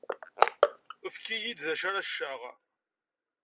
Efk-iyi-d d acu ara cceɣ.